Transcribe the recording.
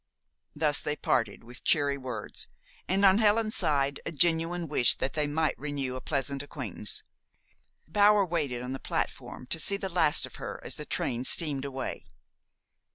Thus they parted, with cheery words, and, on Helen's side, a genuine wish that they might renew a pleasant acquaintance. Bower waited on the platform to see the last of her as the train steamed away.